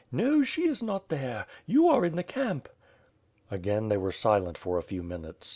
"No, she is not there. You are in the camp." Again, they were silent for a few minutes.